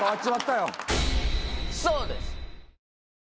そうです。